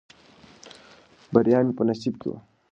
بریا مې په نصیب کې وه.